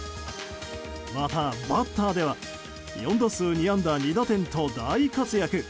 また、バッターでは４打数２安打２打点と大活躍。